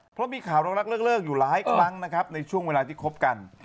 เพราะมีข่าวรักเลิกอยู่หลายครั้งนะครับในช่วงเวลาที่คบกัน